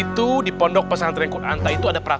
tapi hpnya pegang sendiri